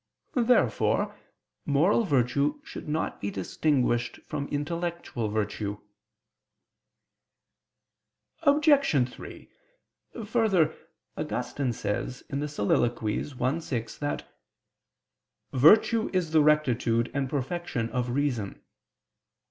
Therefore moral virtue should not be distinguished from intellectual virtue. Obj. 3: Further, Augustine says (Soliloq. i, 6) that "virtue is the rectitude and perfection of reason."